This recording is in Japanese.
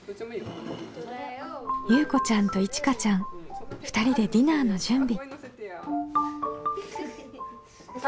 ゆうこちゃんといちかちゃん２人でディナーの準備。